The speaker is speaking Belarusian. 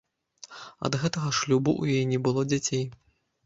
Ад гэтага шлюбу ў яе не было дзяцей.